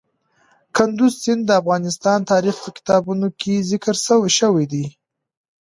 کندز سیند د افغان تاریخ په کتابونو کې ذکر شوی دی.